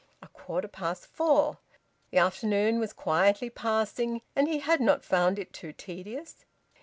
A quarter past four. The afternoon was quietly passing, and he had not found it too tedious.